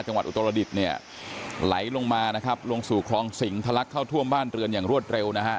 อุตรดิษฐ์เนี่ยไหลลงมานะครับลงสู่คลองสิงทะลักเข้าท่วมบ้านเรือนอย่างรวดเร็วนะฮะ